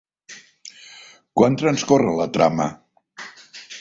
Quan transcorre la trama?